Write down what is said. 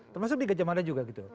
termasuk di gajah mada juga gitu